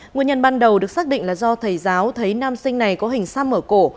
nguyên nhân ban đầu được xác định là do thầy giáo thấy nam sinh này có hình xăm mở cổ